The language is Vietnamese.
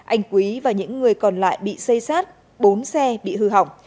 anh quý và những người còn lại bị xây sát bốn xe bị hư hỏng